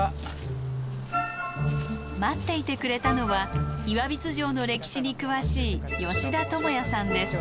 待っていてくれたのは岩櫃城の歴史に詳しい吉田智哉さんです。